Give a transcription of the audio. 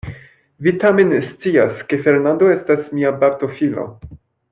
Vi tamen scias, ke Fernando estas mia baptofilo.